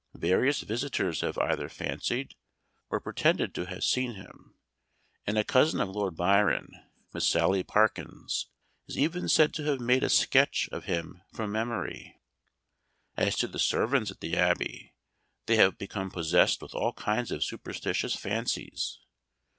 Various visitors have either fancied, or pretended to have seen him, and a cousin of Lord Byron, Miss Sally Parkins, is even said to have made a sketch of him from memory. As to the servants at the Abbey, they have become possessed with all kinds of superstitious fancies.